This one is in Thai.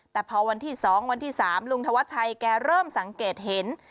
แต่พอวันที่๒วันที่๓ลุงธวัชชัยแกเริ่มสังเกตเห็น